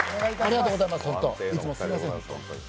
いつもすみません。